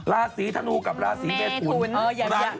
ราศีธนูกับราศีเมทุน